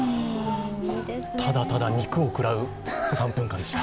ただただ肉を食らう３分間でした。